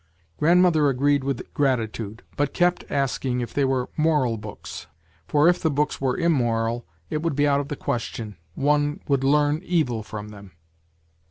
Grandmother agreed with gratitude~~but kept asking if they were moral books, for if the books were immoral it would be out of the question, one would learn evil from them."